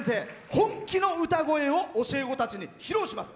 本気の歌声を教え子たちに披露します。